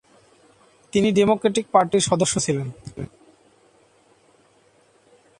তিনি ডেমোক্র্যাটিক পার্টির সদস্য ছিলেন।